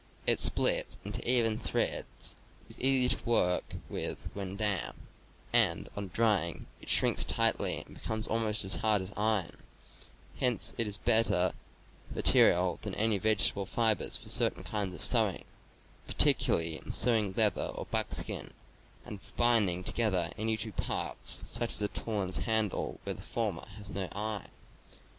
It splits into even threads, is easy J,. to work with when damp, and, on drying, it shrinks tightly and becomes almost as hard as horn; hence it is a better material than any vegetable fiber for certain kinds of sew ing, particularly in sewing leather or buckskin, and for binding together any two parts, such as a tool and its handle, where the former has no eye.